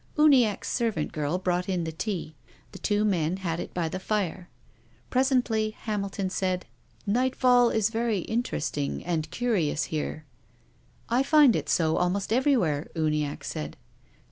Uniacke's servant girl brought in the tea. The two men had it by the fire. Presently Hamilton said :" Nightfall is very interesting and curious here." " I find it so almost everywhere," Uniackesaid.